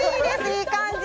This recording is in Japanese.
いい感じ。